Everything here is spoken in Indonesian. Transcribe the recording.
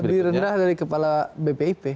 lebih rendah dari kepala bpip